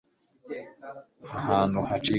Ahantu hacika